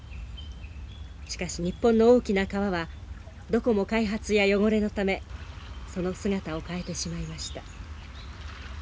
しかし日本の大きな川はどこも開発や汚れのためその姿を変えてしまいました。